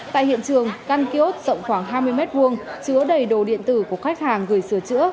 tại hiện trường căn kiosk rộng khoảng hai mươi m hai chứa đầy đồ điện tử của khách hàng gửi sửa chữa